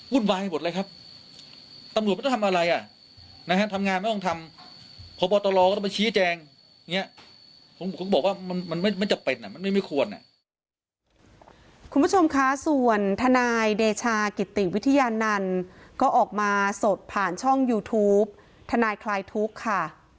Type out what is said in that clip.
คุณผู้ชมคะส่วนทนายเดชากิติวิทยานันต์ก็ออกมาสดผ่านช่องยูทูปทนายคลายทุกข์ค่ะ